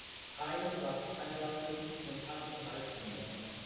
Heyn war verheiratet und hatte drei Kinder.